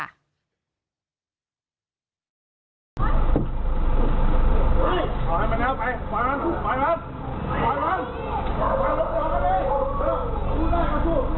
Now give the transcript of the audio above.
การณ์ที่สุดท้าย